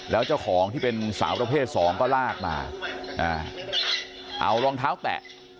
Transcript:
แล้วเจ้าของที่เป็นสาวประเภทสองก็ลากมาเอารองเท้าแตะ